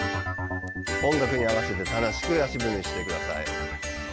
音楽に合わせて楽しく足踏みしてください。